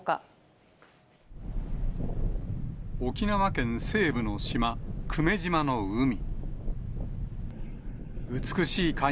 沖縄県西部の島、久米島の海。